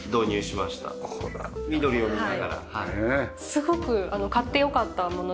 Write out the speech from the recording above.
すごく買って良かったもの